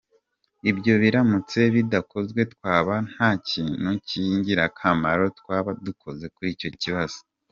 Ibyo biramutse bidakozwe twaba nta kintu cy’ingirakamaro twaba dukoze kuri icyo kibazo.